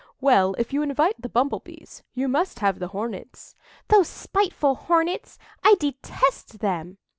"Well, if you invite the Bumble Bees, you must have the Hornets." "Those spiteful Hornets! I detest them!"